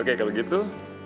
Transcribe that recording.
oke kalau gitu